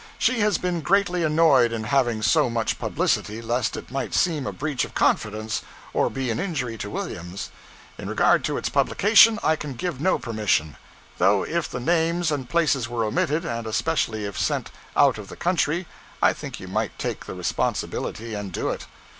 She has been greatly annoyed in having so much publicity, lest it might seem a breach of confidence, or be an injury to Williams. In regard to its publication, I can give no permission; though if the names and places were omitted, and especially if sent out of the country, I think you might take the responsibility and do it.